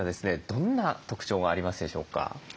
どんな特徴がありますでしょうか？